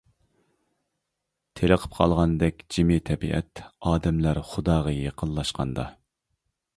تېلىقىپ قالغاندەك جىمى تەبىئەت، ئادەملەر خۇداغا يېقىنلاشقاندا.